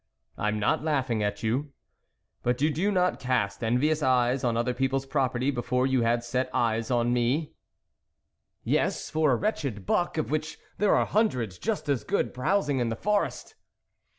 "" I am not laughing at you. But did you not cast envious eyes on other people's property before you had set eyes on me ?" "Yes, for a wretched buck, of which there are hundreds just as good browsing in the forest